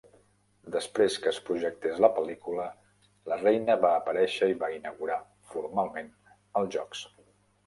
Després que es projectés la pel·lícula, la reina va aparèixer i va inaugurar formalment els jocs.